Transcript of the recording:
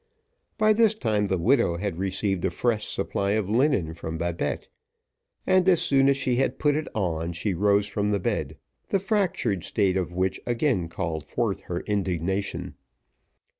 By this time the widow had received a fresh supply of linen from Babette; and as soon as she had put it on she rose from the bed, the fractured state of which again called forth her indignation.